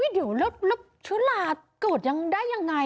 เดี๋ยวแล้วเชื้อราเกิดยังได้อย่างไร